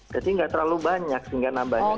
jadi nggak terlalu banyak sehingga nambahnya